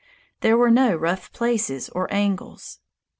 There were no rough places or angles.